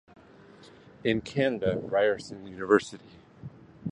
In Canada, Ryerson University.